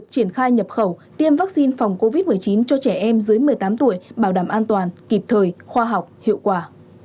triển khai nhập khẩu tiêm vaccine phòng covid một mươi chín cho trẻ em dưới một mươi tám tuổi bảo đảm an toàn kịp thời khoa học hiệu quả